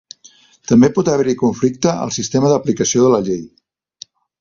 També pot haver-hi conflicte al sistema d'aplicació de la llei.